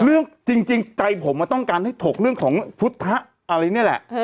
เรื่องจริงใจผมต้องการให้ถกเรื่องของพุทธอะไรนี่แหละ